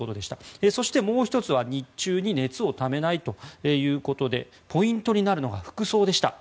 そしてもう１つは日中に熱をためないということでポイントになるのが服装でした。